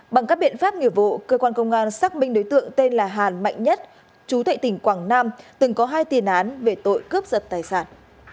bằng các biện pháp nghiệp vụ cơ quan công an xác minh đối tượng tên là hàn mạnh nhất chú thệ tỉnh quảng nam từng có hai tiền án về tội cướp giật tài sản